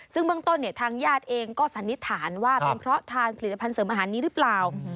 ซึ่งเบื้องต้นเนี่ยทางญาติเองก็สันนิษฐานว่าเป็นเพราะทานผลิตภัณฑ์เสริมอาหารนี้หรือเปล่า